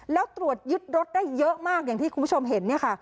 แล้วตรวจยึดรถได้เยอะมากอย่างที่คุณผู้ชมเห็นเนี่ยค่ะ